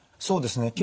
そうですね。